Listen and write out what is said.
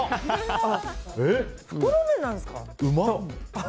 袋麺なんですか？